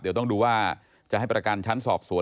เดี๋ยวต้องดูว่าจะให้ประกันชั้นสอบสวน